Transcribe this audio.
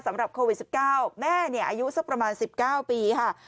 สำหรับโควิด๑๙แม่อายุสักประมาณ๑๙ปีค่ะ